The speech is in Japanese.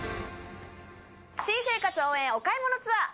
新生活応援お買い物ツアー。